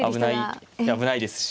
危ないですし。